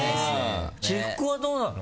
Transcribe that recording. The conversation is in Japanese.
私服はどうなの？